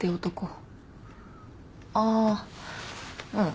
ああうん。